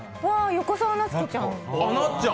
横澤夏子ちゃん。